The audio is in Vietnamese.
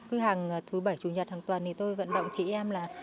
cứ hàng thứ bảy chủ nhật hàng tuần thì tôi vận động chị em là